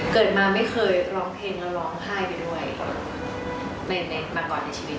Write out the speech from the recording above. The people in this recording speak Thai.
เกิดมาไม่เคยร้องเพลงและร้องไห้ไปด้วย